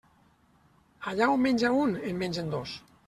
Allà on menja un, en mengen dos.